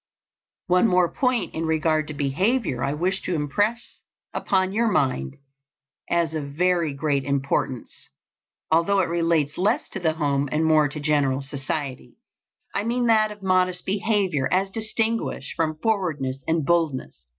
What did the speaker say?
One more point in regard to behavior I wish to impress upon your mind as of very great importance, although it relates less to the home and more to general society. I mean that of modest behavior as distinguished from forwardness and boldness.